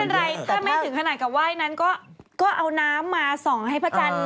ถ้าไม่ถึงกับว่านั้นก็เอาน้ำมาซ่อนให้พระจันทร์